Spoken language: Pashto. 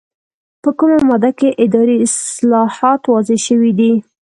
په کومه ماده کې اداري اصلاحات واضح شوي دي؟